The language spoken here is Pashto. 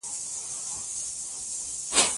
تالابونه د افغان ښځو په ژوند کې رول لري.